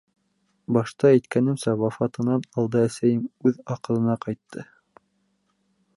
Башта әйткәнемсә, вафатынан алда әсәйем үҙ аҡылына ҡайтты.